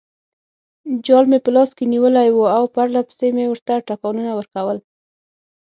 جال مې په لاس کې نیولی وو او پرلپسې مې ورته ټکانونه ورکول.